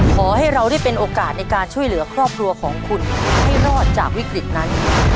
ขอให้เราได้เป็นโอกาสในการช่วยเหลือครอบครัวของคุณให้รอดจากวิกฤตนั้น